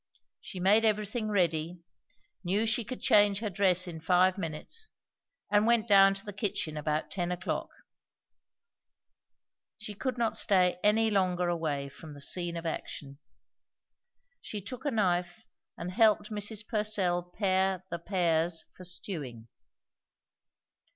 She made everything ready; knew she could change her dress in five minutes; and went down to the kitchen about ten o'clock; she could not stay any longer away from the scene of action. She took a knife and helped Mrs. Purcell pare the pears for stewing.